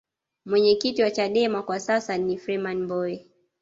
mwenyekiti wa chadema kwa sasa ni freeman mbowe